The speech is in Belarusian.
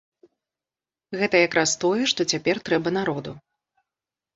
Гэта якраз тое, што цяпер трэба народу!